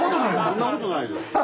そんなことないです。